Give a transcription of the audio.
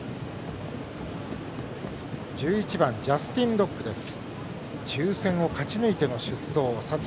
１１番ジャスティンロックです。